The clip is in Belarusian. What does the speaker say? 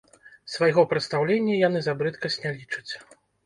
Свайго прадстаўлення яны за брыдкасць не лічаць.